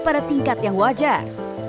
pada tingkat yang wajar